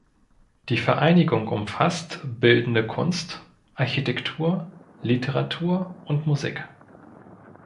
Die Vereinigung umfasst Bildende Kunst, Architektur, Literatur und Musik.